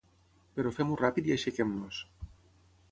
Però fem-ho ràpid i aixequem-nos.